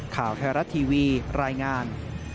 ข่าวแหละทีวีรายงาน